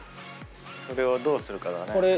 それをどうするかだね。